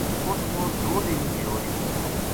اُت وہ دو دن بے ہوش رہیو